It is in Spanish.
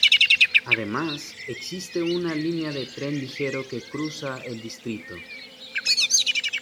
Además, existe una línea de tren ligero que cruza el distrito.